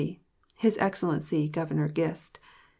His EXCELLENCY GOVERNOR GIST.